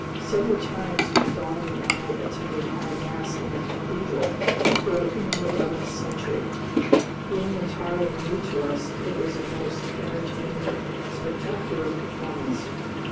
Several times my daughter and I attended High Mass in the cathedral, built in the eleventh century. Being entirely new to us it was a most entertaining spectacular performance.